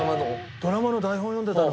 ドラマの台本読んでたの。